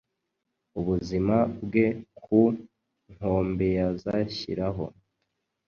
Ubuzima bwe ku nkombeazashyiraho